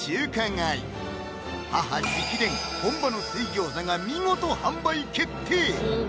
・本場の水餃子が見事販売決定